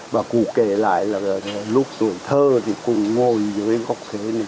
bà cụ kể lại là lúc tuổi thơ thì cùng ngồi dưới góc khế này